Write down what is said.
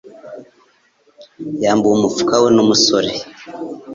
Yambuwe umufuka we n’umusore.